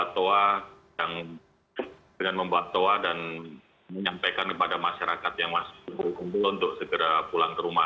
terus dengan membawa toa dan menyampaikan kepada masyarakat yang masuk kampung untuk segera pulang ke rumah